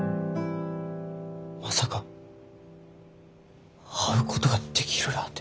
まさか会うことができるらあて。